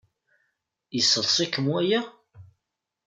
Yesseḍs-ikem waya?